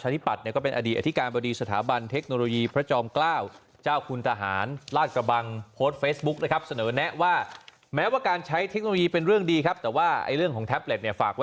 ถ้าเกิดเครื่องมีปัญหาพังโรงเรียนขนาดเล็กก็คงจะไม่มีมุมประมาณในการซ่อมแซมเครื่องเท่าไหร่ค่ะ